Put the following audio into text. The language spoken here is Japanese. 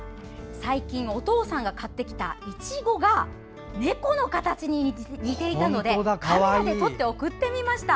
最近お父さんが買ってきたいちごが猫の形に似ていたのでカメラで撮って送ってみました。